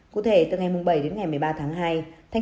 cụ thể từ ngày bảy đến ngày một mươi ba tháng hai